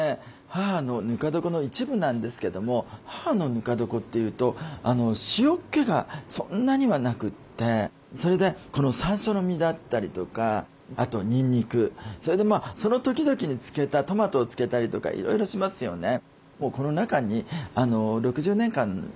母のぬか床の一部なんですけども母のぬか床っていうと塩けがそんなにはなくてそれでこのさんしょうの実だったりとかあとにんにくそれでその時々に漬けたトマトを漬けたりとかいろいろしますよね。